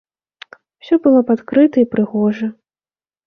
Усё было б адкрыта і прыгожа!